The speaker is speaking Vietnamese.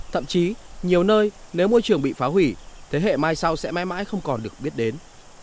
thậm chí nhiều nơi nếu môi trường bị phá hủy thế hệ mai sau sẽ mãi mãi không còn được biết đến